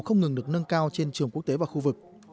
không ngừng được nâng cao trên trường quốc tế và khu vực